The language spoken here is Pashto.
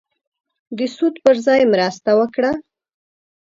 د سود پر ځای مرسته وکړه.